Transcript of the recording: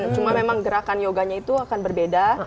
cuma memang gerakan yoganya itu akan berbeda